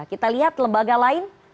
kita lihat lembaga lain